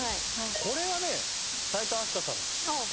これはね齋藤飛鳥さんですよ。